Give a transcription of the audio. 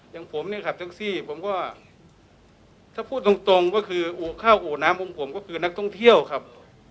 อย่างผมเนี่ยขับแท็กซี่ผมก็ถ้าพูดตรงก็คืออู่ข้าวอู่น้ำของผมก็คือนักท่องเที่ยวครับ